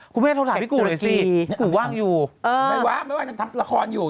คุณไม่ได้โทรถามพี่กูเลยสิกูว่างอยู่เออไม่ว่าไม่ว่าทำละครอยู่